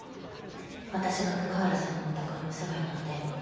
私が中原さんのお宅にお世話になっている事。